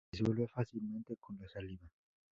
Se disuelve fácilmente con la saliva.